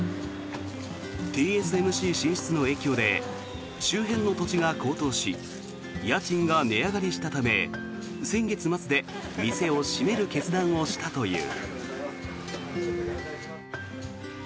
ＴＳＭＣ進出の影響で周辺の土地が高騰し家賃が値上がりしたため先月末で店を閉める決断をしたという。